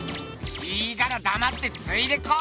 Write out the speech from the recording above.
いいからだまってついてこい！